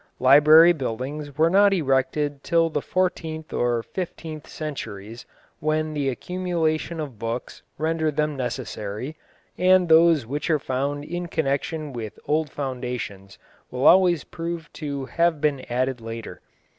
Library buildings were not erected till the fourteenth or fifteenth centuries, when the accumulation of books rendered them necessary, and those which are found in connection with old foundations will always prove to have been added later.